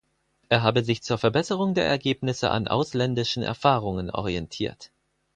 Er habe sich zur Verbesserung der Ergebnisse an ausländischen Erfahrungen orientiert.